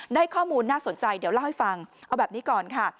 ได้ข้อมูลน่าสนใจเดี๋ยวเล่าให้ฟังเอาแบบนี้ก่อนค่ะ